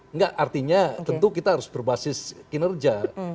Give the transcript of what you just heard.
enggak artinya tentu kita harus berbasis kinerja